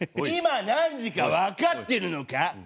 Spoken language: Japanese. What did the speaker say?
今何時かわかってるのか？